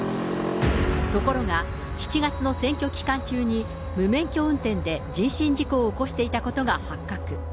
ところが、７月の選挙期間中に、無免許運転で人身事故を起こしていたことが発覚。